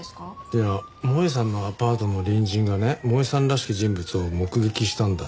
いや萌絵さんのアパートの隣人がね萌絵さんらしき人物を目撃したんだって。